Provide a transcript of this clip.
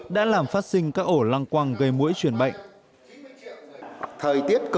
đã làm phát sinh các ổ lăng quăng gây mũi chuyển bệnh